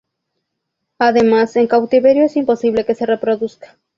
Además en cautiverio es imposible que se reproduzca.